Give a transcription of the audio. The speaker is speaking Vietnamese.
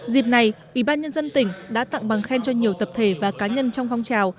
dịp này ủy ban nhân dân tỉnh đã tặng bằng khen cho nhiều tập thể và cá nhân trong phong trào